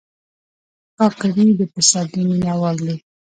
کاکړي د پسرلي مینهوال دي.